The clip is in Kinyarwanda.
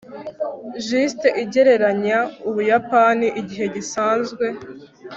jst igereranya ubuyapani igihe gisanzwe